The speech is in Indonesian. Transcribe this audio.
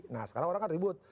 nah sekarang orang kan ribut